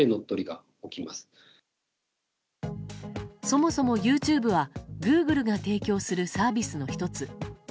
そもそもＹｏｕＴｕｂｅはグーグルが提供するサービスの１つ。